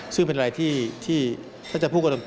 ซึ่งเป็นอะไรที่ถ้าจะพูดกันตรง